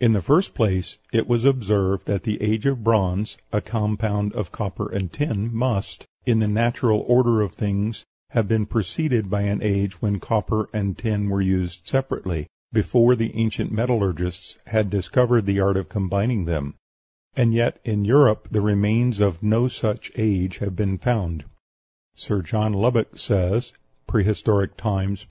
In the first place, it was observed that the age of bronze (a compound of copper and tin) must, in the natural order of things, have been preceded by an age when copper and tin were used separately, before the ancient metallurgists had discovered the art of combining them, and yet in Europe the remains of no such age have been found. Sir John Lubbock says ("Prehistoric Times," p.